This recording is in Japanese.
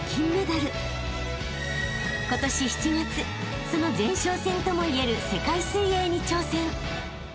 ［今年７月その前哨戦ともいえる世界水泳に挑戦］